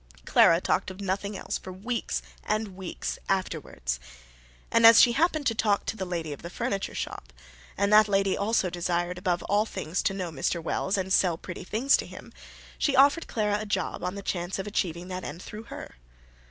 Clara talked of nothing else for weeks and weeks afterwards. And as she happened to talk to the lady of the furniture shop, and that lady also desired above all things to know Mr. Wells and sell pretty things to him, she offered Clara a job on the chance of achieving that end through her.